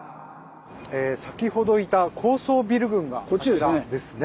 先ほどいた高層ビル群があちらですね。